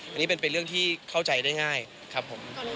อันนี้เป็นเรื่องที่เข้าใจได้ง่ายครับผม